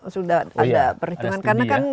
sudah ada perhitungan karena kan